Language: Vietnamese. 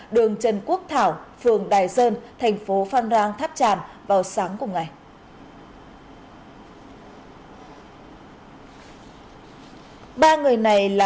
đường trần quốc thảo phường đài sơn thành phố phan rang tháp tràm vào sáng cùng ngày